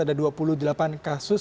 ada dua puluh delapan kasus